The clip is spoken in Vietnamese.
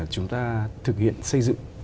chúng ta thực hiện xây dựng